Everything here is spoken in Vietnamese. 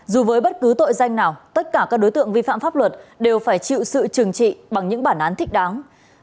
dù với bất cứ tội danh nào tất cả các đối tượng vi phạm pháp luật đều phải chịu sự trừng trị bằng những bản án thích đáng